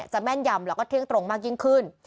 แม่นยำแล้วก็เที่ยงตรงมากยิ่งขึ้น